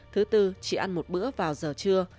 thứ tư chỉ ăn một bữa vào giờ trưa